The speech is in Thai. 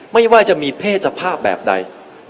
ไม่ว่าจะมีเพศสภาพแบบใด